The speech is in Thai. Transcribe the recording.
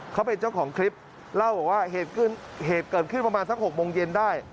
เขาเป็นเจ้าของคลิปเล่าบอกว่าเหตุเกิดขึ้นประมาณสัก๖โมงเย็นได้